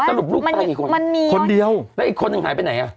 แต่ว่ามันมีคนเดียวแล้วอีกคนนึงหายไปไหนอ่ะ